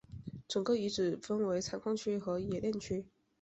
整个遗址分为采矿区和冶炼区。